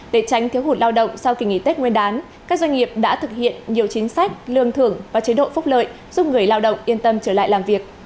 để tránh thiếu hụt lao động sau kỳ nghỉ tết nguyên đán các doanh nghiệp đã thực hiện nhiều chính sách lương thưởng và chế độ phúc lợi giúp người lao động yên tâm trở lại làm việc